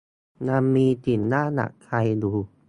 ยังมีสิ่งน่าหนักใจอยู่